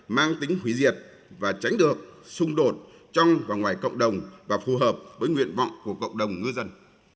mang tính hủy diệt và tránh được xung đột trong và ngoài cộng đồng và phù hợp với nguyện vọng của cộng đồng ngư dân